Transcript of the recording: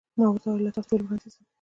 ما ورته وویل: له تاسو ټولو وړاندې زه ځم.